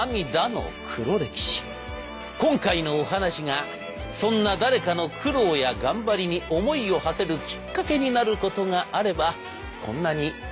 今回のお話がそんな誰かの苦労や頑張りに思いをはせるきっかけになることがあればこんなにうれしいことはございません。